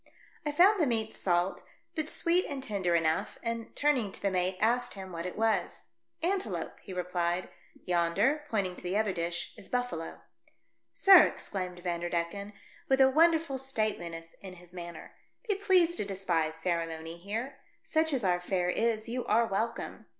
I found the meat salt, but sweet and tender enough, and turning to the mate asked him what it was. "Antelope," he repHed, " yonder," pointing to the other dish, "is buffalo." " Sir," exclaimed Vanderdecken, with a wonderful stateliness in his manner, "be pleased to despise ceremony here. Such as our fare is, you are welcome.